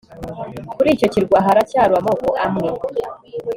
Kuri icyo kirwa haracyari amoko amwe